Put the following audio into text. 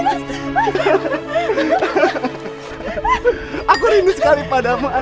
aku rindu sekali padamu